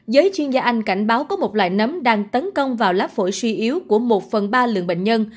giới chuyên gia anh cảnh báo có một loại nấm đang tấn công vào lá phổi suy yếu của một phần ba lượng bệnh nhân